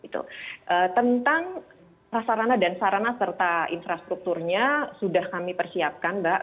tentang prasarana dan sarana serta infrastrukturnya sudah kami persiapkan mbak